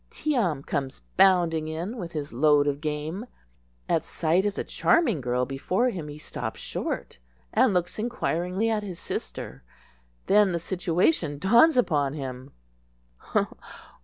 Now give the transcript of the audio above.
Tee am comes bounding in with his load of game. At sight of the charming girl before him he stops short, and looks inquiringly at his sister. Then the situation dawns upon him.